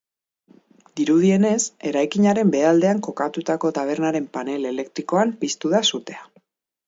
Dirudienez, eraikinaren behealdean kokatutako tabernaren panel elektrikoan piztu da sutea.